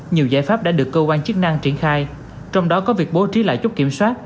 nhiều giải pháp đã được cơ quan chức năng triển khai trong đó có việc bố trí lại chút kiểm soát